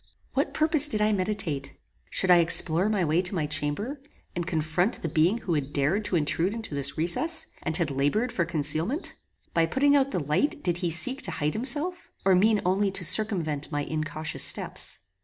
What purpose did I meditate? Should I explore my way to my chamber, and confront the being who had dared to intrude into this recess, and had laboured for concealment? By putting out the light did he seek to hide himself, or mean only to circumvent my incautious steps?